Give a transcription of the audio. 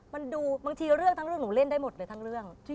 มันดูบางทีเรื่องทั้งเรื่องหนูเล่นได้หมดเลยทั้งเรื่อง